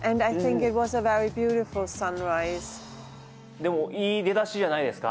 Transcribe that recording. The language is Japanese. でもいい出だしじゃないですか。